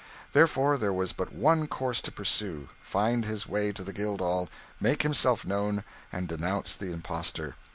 Therefore there was but one course to pursue find his way to the Guildhall, make himself known, and denounce the impostor.